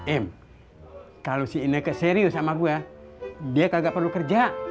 im kalau si ineke serius sama gue dia kagak perlu kerja